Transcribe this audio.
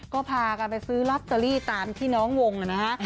ก็พากันไปซื้อลอตเตอรี่ตามที่น้องวงนะฮะ